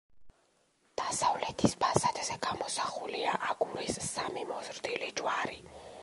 დასავლეთის ფასადზე გამოსახულია აგურის სამი მოზრდილი ჯვარი.